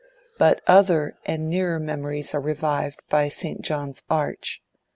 But other and nearer memories are revived by St. John's Arch.